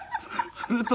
すると。